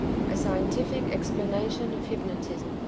A Scientific Explanation of Hypnotism.